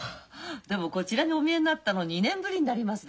でもこちらにお見えになったの２年ぶりになりますでしょ。